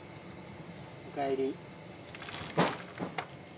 おかえり。